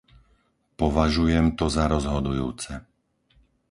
Považujem to za rozhodujúce.